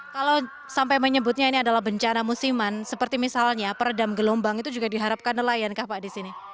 kalau sampai menyebutnya ini adalah bencana musiman seperti misalnya peredam gelombang itu juga diharapkan nelayan kah pak di sini